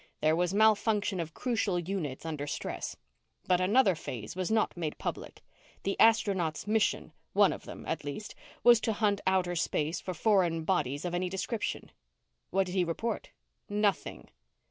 "There was malfunction of crucial units under stress. But another phase was not made public. The astronaut's mission one of them, at least was to hunt outer space for foreign bodies of any description." "What did he report?" "Nothing."